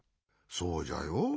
そうじゃよ。